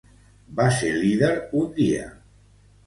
Va ser líder un dia.